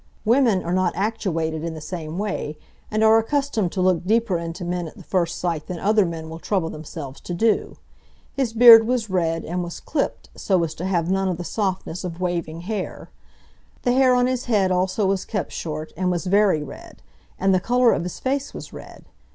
Women are not actuated in the same way, and are accustomed to look deeper into men at the first sight than other men will trouble themselves to do. His beard was red, and was clipped, so as to have none of the softness of waving hair. The hair on his head also was kept short, and was very red, and the colour of his face was red.